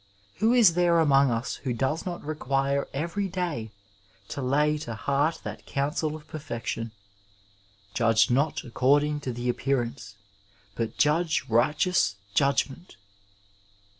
Who is there among us who does not require every day to lay to heart that counsel of perfection :'' Judge not according to the appearance, but judge righteous judgment?"